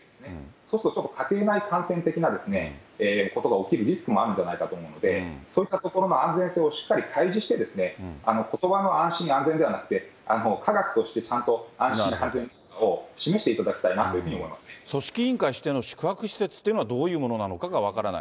そうするとちょっと、家庭内感染的なことが起きるリスクもあるんじゃないかと思うので、そういったところの安全性としっかり対比して、ことばの安心・安全ではなくて、科学としてちゃんと安心安全を示していただきたい組織委員会指定の宿泊施設っていうのは、どういうものなのかが分からない。